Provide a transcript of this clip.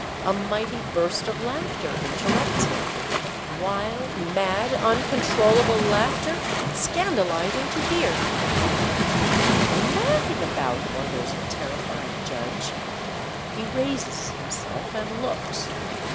A mighty burst of laughter interrupts him, — wild, mad, uncon trollable laughter, scandalizing to hear. ''What are they laughing about?" wonders the terrified judge. He raises himself and looks.